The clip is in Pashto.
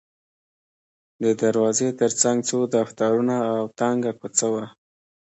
د دروازې ترڅنګ څو دفترونه او یوه تنګه کوڅه وه.